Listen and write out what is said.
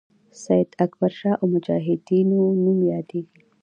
سید اکبرشاه او مجاهدینو نوم یادیږي.